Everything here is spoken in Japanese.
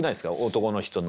男の人の。